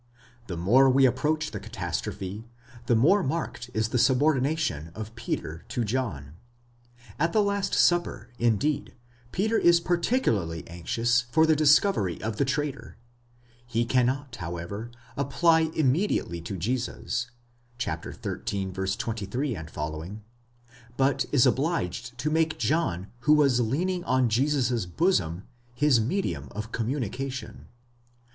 The more we approach the catastrophe, the more marked is the subordination of Peter to John. At the last supper, indeed, Peter is particularly anxious for the discovery of the traitor: he cannot, however, apply immediately to Jesus (xiii. 23 ff.), but is obliged to make John, who was Leaning on Jesus' bosom, his medium of communication.